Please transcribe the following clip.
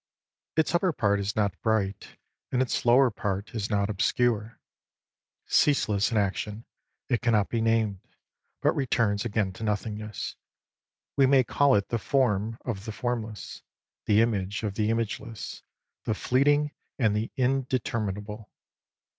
Its upper part is not bright, and its lower part is not obscure. Ceaseless in action, it cannot be named, but returns again to nothingness. We may call it the form of the formless, the image of the imageless, the fleeting and the indeterminable.